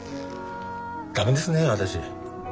駄目ですね私。